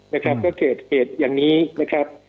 นะครับก็เกิดเหตุอย่างนี้นะครับ